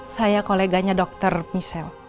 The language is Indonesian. saya koleganya dokter misel